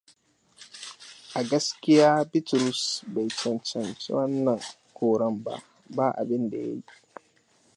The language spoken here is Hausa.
A gaskiya Bitrus bai cancanci wannan horonba ba abinda ya yi.